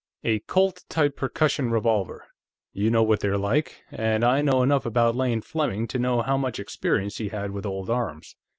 "A Colt type percussion revolver. You know what they're like. And I know enough about Lane Fleming to know how much experience he had with old arms.